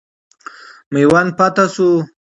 میوند فتح سو.